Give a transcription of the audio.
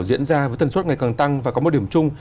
diễn ra với tần suốt ngày càng tăng